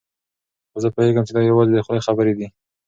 خو زه پوهېږم چې دا یوازې د خولې خبرې دي.